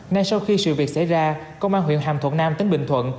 ngay sau khi sự việc xảy ra công an huyện hàm thuận nam tỉnh bình thuận